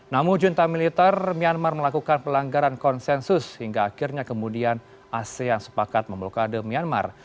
namun junta militer myanmar melakukan pelanggaran konsensus hingga akhirnya kemudian asean sepakat memblokade myanmar